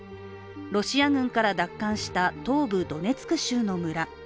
ロシア軍から奪還した東部ドネツク州の村。